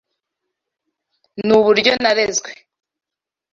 Nuburyo narezwe.